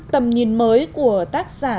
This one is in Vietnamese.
tầm nhìn mới của tác giả